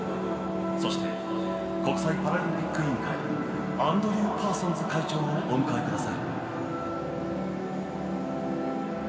そして国際パラリンピック委員会アンドリュー・パーソンズ会長です。